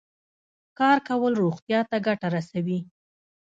کار کول روغتیا ته ګټه رسوي.